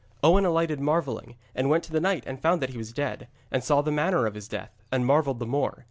Owen alighted marvelling, and went to the knight and found that he was dead, and saw the manner of his death, and marvelled the more.